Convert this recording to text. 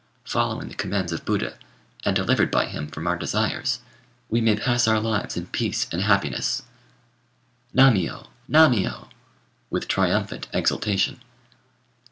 Following the commands of Buddha, and delivered by him from our desires, we may pass our lives in peace and happiness." "Nammiyô! nammiyô!" with triumphant exultation.